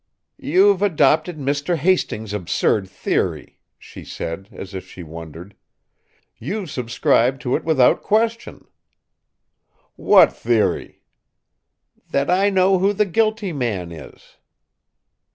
"You've adopted Mr. Hastings' absurd theory," she said, as if she wondered. "You've subscribed to it without question." "What theory?" "That I know who the guilty man is."